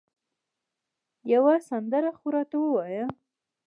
یوه سندره خو راته ووایه